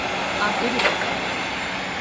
あっベルが鳴ってる。